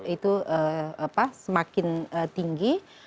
itu semakin tinggi